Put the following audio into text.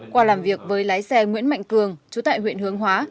qua làm việc với lái xe nguyễn mạnh cường chú tại huyện hướng hóa